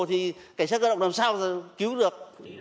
thì cảnh sát cơ động làm sao cứu được